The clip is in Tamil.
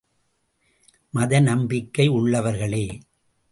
மத நம்பிக்கை உள்ளவர்களே!